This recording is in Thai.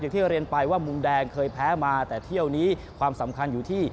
ที่เรียนไปว่ามุมแดงเคยแพ้มาแต่เที่ยวนี้ความสำคัญอยู่ที่